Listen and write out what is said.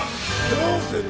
どうする？